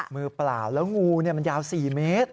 มือเปล่าแล้วงูมันยาว๔เมตร